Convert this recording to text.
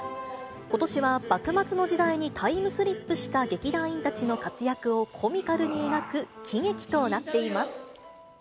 ことしは幕末の時代にタイムスリップした劇団員たちの活躍をコミカルに描く喜劇となっています。